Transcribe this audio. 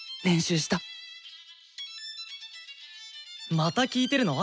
また聴いてるの？